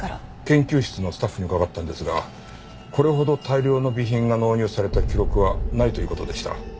研究室のスタッフに伺ったんですがこれほど大量の備品が納入された記録はないという事でした。